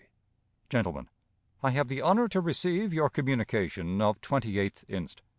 Gentlemen: I have the honor to receive your communication of 28th inst.